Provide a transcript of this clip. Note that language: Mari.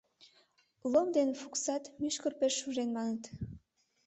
Лом ден Фуксат, мӱшкыр пеш шужен, маныт.